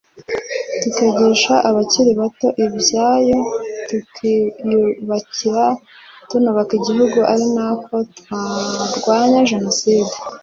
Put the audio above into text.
tukigisha abakiri bato ibyayo tukiyubaka tunubaka igihugu ari nako turwanya Jenoside